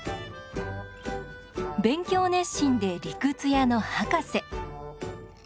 勉強熱心で理屈屋のハカセ。